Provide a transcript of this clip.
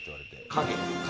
影。